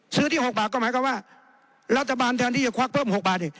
ที่๖บาทก็หมายความว่ารัฐบาลแทนที่จะควักเพิ่ม๖บาทอีก